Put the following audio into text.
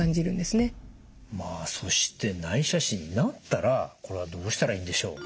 まあそして内斜視になったらこれはどうしたらいいんでしょう？